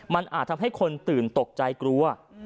มันอาจทำให้คนตื่นตกใจกลัว